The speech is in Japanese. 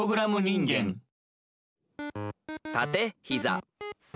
「たてひざ」。